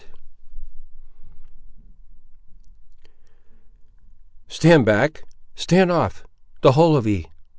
"Stand back! stand off, the whole of ye!"